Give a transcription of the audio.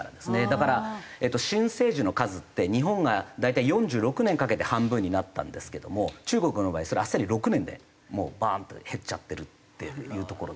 だから新生児の数って日本が大体４６年かけて半分になったんですけども中国の場合それあっさり６年でもうバーンと減っちゃってるっていうところですね。